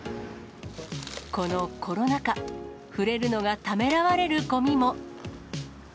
このコロナ禍、触れるのがためらわれるごみも。